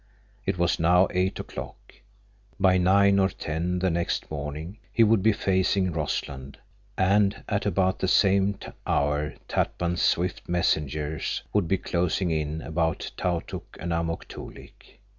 It was now eight o'clock. By nine or ten the next morning he would be facing Rossland, and at about that same hour Tatpan's swift messengers would be closing in about Tautuk and Amuk Toolik.